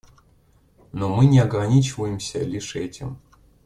Но мы не ограничиваемся лишь этим.